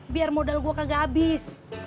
biar modal gue kakak abis